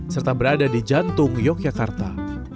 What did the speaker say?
serta berada di jantung yogyakarta